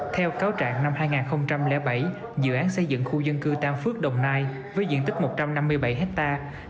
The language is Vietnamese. theo cáo trạng năm hai nghìn bảy dự án xây dựng khu dân cư tam phước đồng nai với diện tích một trăm năm mươi bảy hectare